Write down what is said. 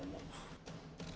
terima kasih pak